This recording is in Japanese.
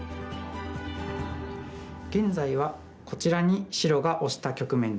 現在はこちらに白がオシた局面です。